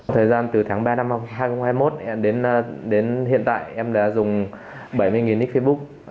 thời gian từ tháng ba năm hai nghìn hai mươi một đến hiện tại em đã dùng bảy mươi nick facebook